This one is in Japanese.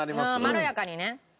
まろやかにね。